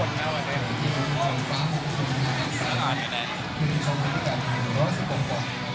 แล้วกี่ครับ